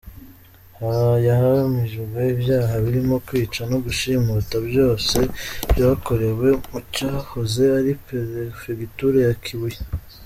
Yahamijwe ibyaha birimo kwica no gushimuta, byose byakorewe mu cyahoze ari Perefegitura ya Kibuye.